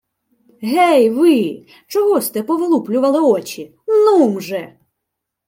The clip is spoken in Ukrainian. — Гей ви! Чого сте повилуплювали очі? Нум же!